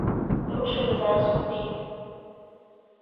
Рушили зараз у похід.